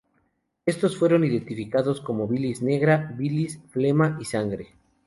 Estos fueron identificados como bilis negra, bilis, flema y sangre.